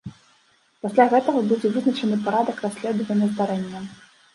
Пасля гэтага будзе вызначаны парадак расследавання здарэння.